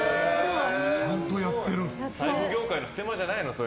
ちゃんとやってる。